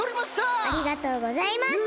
ありがとうございます！